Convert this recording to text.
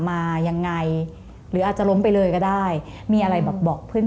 และเปลี่ยนกัน